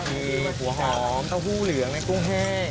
มีหัวหอมเต้าหู้เหลืองและกุ้งแห้ง